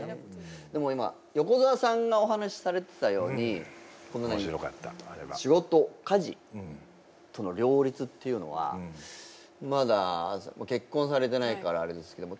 でも今横澤さんがお話しされてたように仕事家事との両立っていうのはまだ結婚されてないからあれですけども。